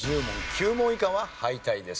９問以下は敗退です。